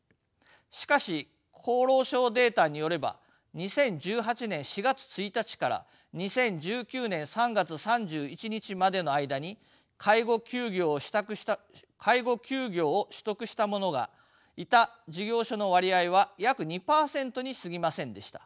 しかし厚労省データによれば２０１８年４月１日から２０１９年３月３１日までの間に介護休業を取得した者がいた事業所の割合は約２％にすぎませんでした。